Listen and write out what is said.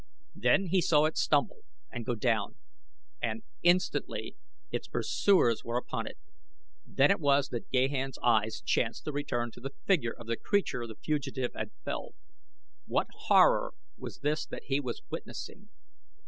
Then he saw it stumble and go down and instantly its pursuers were upon it. Then it was that Gahan's eyes chanced to return to the figure of the creature the fugitive had felled. What horror was this that he was witnessing?